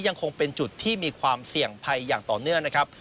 ยังคงเป็นจุดที่มีความเสี่ยงภัยอย่างต่อเนื่องนะครับ